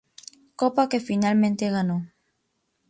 Copa que finalmente ganó.